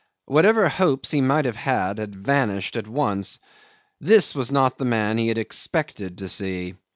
Whatever hopes he might have had vanished at once. This was not the man he had expected to see.